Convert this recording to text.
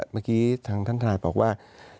เมื่อกี้ทางท่านทนายบอกว่า